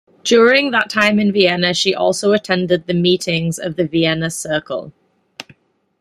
During that time in Vienna she also attended the meetings of the Vienna Circle.